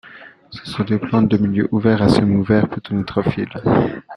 Ce sont des plantes de milieux ouverts à semi-ouverts, plutôt nitrophiles.